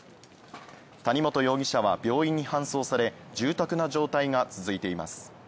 谷本容疑者は病院に搬送され重篤な状態が続いています。